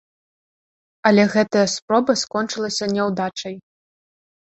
Але гэтая спроба скончылася няўдачай.